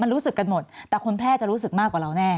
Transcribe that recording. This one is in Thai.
รู้สึกกันหมดแต่คนแพร่จะรู้สึกมากกว่าเราแน่